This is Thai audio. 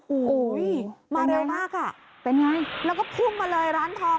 โอ้โหมาเร็วมากอ่ะเป็นไงแล้วก็พุ่งมาเลยร้านทอง